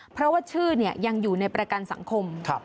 เพราะว่าชื่อยังอยู่ในประกันสังคม